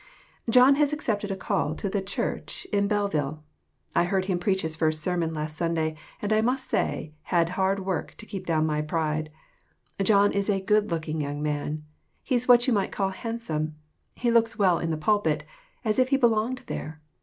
John has accepted a call to the church in Belle 4 AUNT HANNAH S LETTER TO HER SISTER. ville. I heard him preach his first sermon last Sunday, and I must say I had hard work to keep down my pride. John is a good looking young man. He's what you might call handsome. He looks well in the pulpit, as if he belonged there.